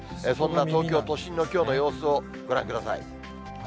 そんな東京都心のきょうの様子をご覧ください。